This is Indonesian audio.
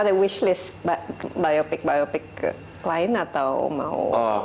ada wish list biopik biopik lain atau mau